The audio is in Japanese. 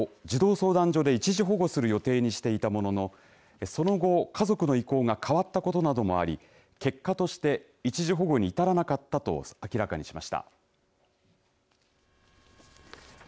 神戸市は緊急の会見を開き家族からの求めで男の子を児童相談所で一時保護する予定にしていたもののその後、家族の意向が変わったことなどもあり結果として一時保護に至らなかったと明らかにしました。